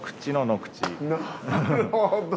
なるほど！